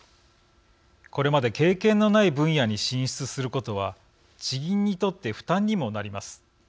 これまで経験のない分野に進出することは、地銀にとって負担にもなります。